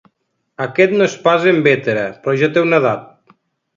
Aquest no és pas de Bétera, però ja té una edat.